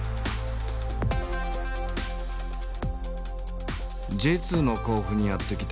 Ｊ２の甲府にやって来た森。